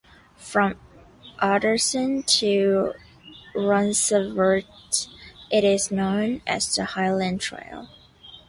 From Alderson to Ronceverte, it is known as the Highland Trail.